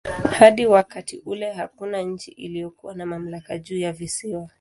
Hadi wakati ule hakuna nchi iliyokuwa na mamlaka juu ya visiwa.